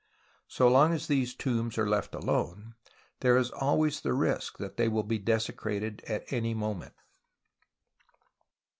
So long as these tombs 126 TUTANKHAMEN are left alone there is always the risk that they will be desecrated at any moment.